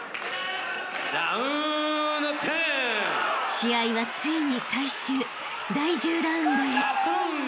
［試合はついに最終第１０ラウンドへ］